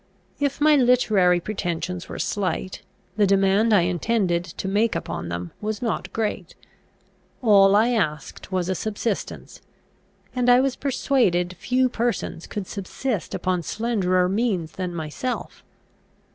If my literary pretensions were slight, the demand I intended to make upon them was not great. All I asked was a subsistence; and I was persuaded few persons could subsist upon slenderer means than myself.